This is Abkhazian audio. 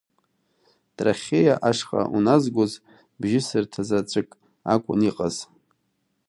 Трахеиа ашҟа уназгоз бжьысырҭазаҵәык акәын иҟаз.